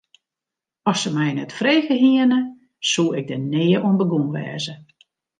As se my net frege hiene, soe ik der nea oan begûn wêze.